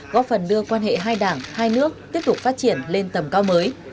góp phần đưa quan hệ hai đảng hai nước tiếp tục phát triển lên tầm cao mới